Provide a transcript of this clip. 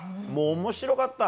面白かった。